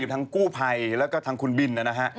กับทางกู้ไภและทางคุณบิลนะครับ